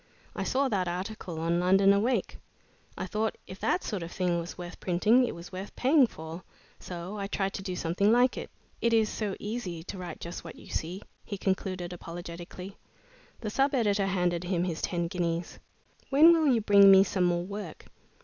"I saw that article on 'London Awake.' I thought if that sort of thing was worth printing, it was worth paying for, so I tried to do something like it. It is so easy to write just what you see," he concluded, apologetically. The sub editor handed him his ten guineas. "When will you bring me some more work?"